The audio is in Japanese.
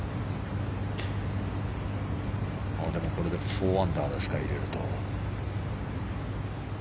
これで４アンダーですか入れると。